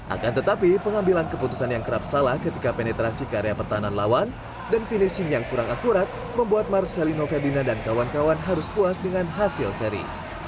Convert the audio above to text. akan tetapi pengambilan keputusan yang kerap salah ketika penetrasi ke area pertahanan lawan dan finishing yang kurang akurat membuat marcelino ferdina dan kawan kawan harus puas dengan hasil seri